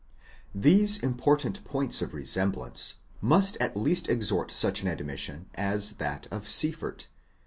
These important points of resemblance must at least extort such an admission as that of Sieffert